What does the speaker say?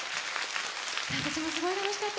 私もすごい楽しかった。